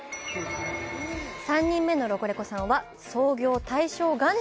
３人目のロコレコさんは創業、大正元年！